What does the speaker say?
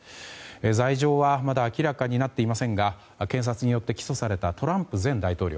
罪状はまだ明らかになっていませんが検察によって起訴されたトランプ前大統領。